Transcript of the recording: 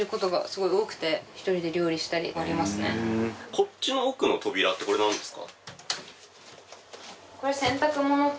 こっちの奥の扉ってこれなんですか？